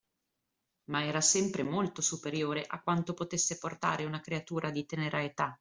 Ma era sempre molto superiore a quanto potesse portare una creatura di tenera età